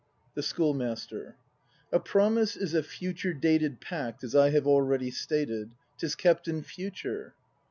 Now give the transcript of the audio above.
^ The Schoolmaster. A Promise is a future dated Pact, as I have already stated; 'Tis kept in Future.